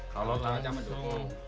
kalau cuaca mendukung